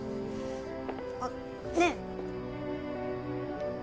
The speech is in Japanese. あっねえ！